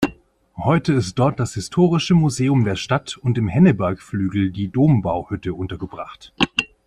Heute ist dort das Historische Museum der Stadt und im Henneberg-Flügel die Dombauhütte untergebracht.